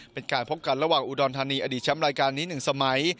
เป็นการพบกันระหว่างอุดรธานีอดีตแชมป์รายการนี้๑สมัย